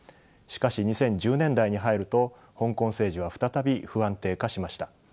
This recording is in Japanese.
しかし２０１０年代に入ると香港政治は再び不安定化しました。